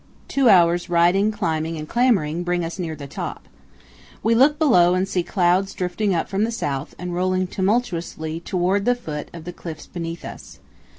Two hours' riding, climbing, and clambering bring us near the top. We look below and see clouds drifting up from the south and rolling tumultuously toward the foot of the cliffs beneath us.